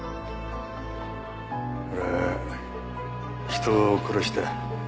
俺は人を殺した。